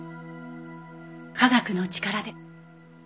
科学の力で。